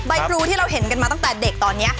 ครูที่เราเห็นกันมาตั้งแต่เด็กตอนนี้